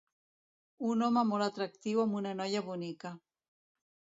un home molt atractiu amb una noia bonica